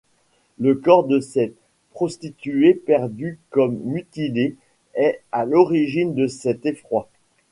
Le corps de ces prostituées perçu comme mutilé est à l'origine de cet effroi.